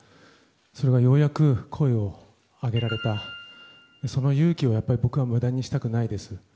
それがようやく声をあげられたその勇気を僕は無駄にしたくないです。